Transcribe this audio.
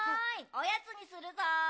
おやつにするぞ。